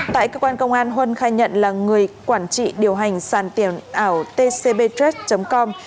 tại cơ quan công an huân khai nhận là người quản trị điều hành sàn tiền ảo tcbtreet com